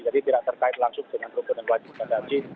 jadi tidak terkait langsung dengan rukun dan wajib ibadah haji